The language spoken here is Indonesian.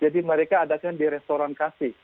jadi mereka adakan di restoran kasih